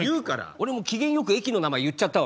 俺も機嫌よく駅の名前言っちゃったわ。